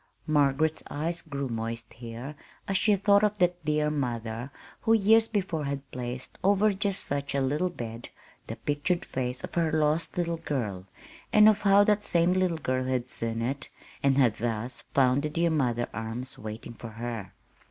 Margaret's eyes grew moist here as she thought of that dear mother who years before had placed over just such a little bed the pictured face of her lost little girl, and of how that same little girl had seen it and had thus found the dear mother arms waiting for her.